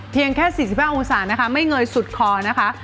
แค่๔๕องศานะคะไม่เงยสุดคอนะคะ